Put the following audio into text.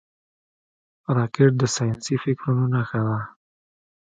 راکټ د ساینسي فکرونو نښه ده